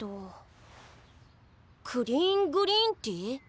クリーングリーンティ？